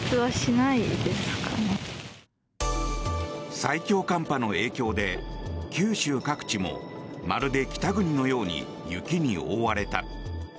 最強寒波の影響で九州各地もまるで北国のように雪に覆われた。